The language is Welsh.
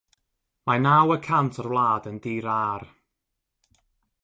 Mae naw y cant o'r wlad yn dir âr.